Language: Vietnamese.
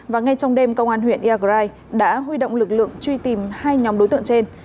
và ngay trong đêm công an huyện iagrai đã huy động lực lượng truy tìm hai nhóm đối tượng trên